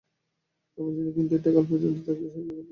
আমি জানি, কিন্তু এটা - কাল পর্যন্ত থাকতে সাহায্য করবে।